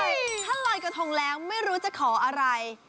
โอเคถ้าลอยกระทงแรงไม่รู้จะขออะไร